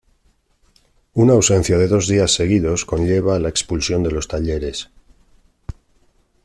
Una ausencia de dos días seguidos conlleva la expulsión de los Talleres.